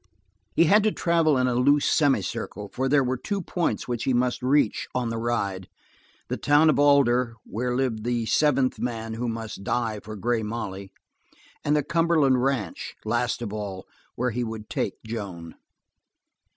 He had to travel in a loose semicircle, for there were two points which he must reach on the ride, the town of Alder, where lived the seventh man who must die for Grey Molly, and the Cumberland ranch, last of all, where he would take Joan.